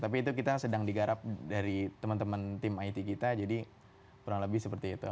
tapi itu kita sedang digarap dari teman teman tim it kita jadi kurang lebih seperti itu